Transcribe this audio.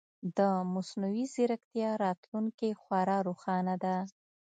د مصنوعي ځیرکتیا راتلونکې خورا روښانه ده.